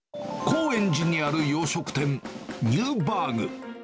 高円寺にある洋食店、ニューバーグ。